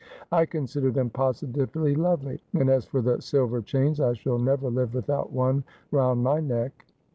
I consider them positively lovely. And as for the silver chains, I shall never live without one round my neck.'